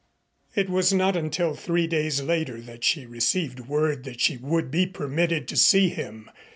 It was not until three days later that she received word that she would be permitted to see him.